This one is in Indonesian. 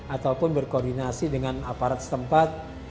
ataupun berkoordinasi dengan aparat setempat